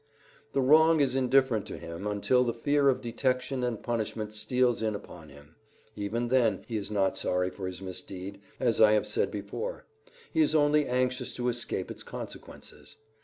The wrong is indifferent to him until the fear of detection and punishment steals in upon him. Even then he is not sorry for his misdeed, as I have said before; he is only anxious to escape its consequences.